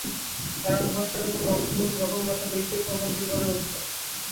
কারণ, মহেশ্বর এবং জগন্মাতা হইতেই কর্মবীরগণের উদ্ভব।